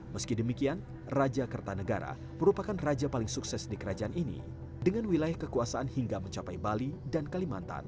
meski demikian raja kertanegara merupakan raja paling sukses di kerajaan ini dengan wilayah kekuasaan hingga mencapai bali dan kalimantan